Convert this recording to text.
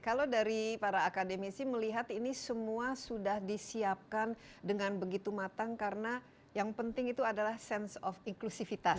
kalau dari para akademisi melihat ini semua sudah disiapkan dengan begitu matang karena yang penting itu adalah sense of inclusivitas